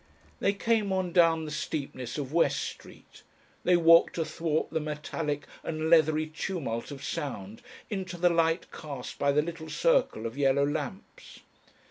They came on down the steepness of West Street. They walked athwart the metallic and leathery tumult of sound into the light cast by the little circle of yellow lamps.